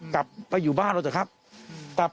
กลับไปอยู่บ้านเราก็แคบ